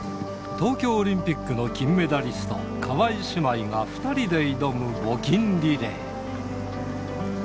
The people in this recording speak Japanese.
東京オリンピックの金メダリスト、川井姉妹が２人で挑む募金リレー。